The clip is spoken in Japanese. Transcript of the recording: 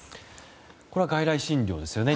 これは外来診療ですよね。